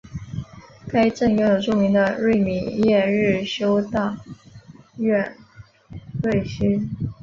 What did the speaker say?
该镇拥有著名的瑞米耶日修道院废墟。